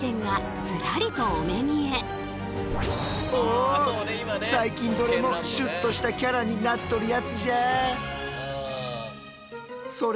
お最近どれもシュッとしたキャラになっとるやつじゃ！